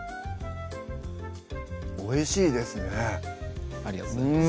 おいしいですねありがとうございます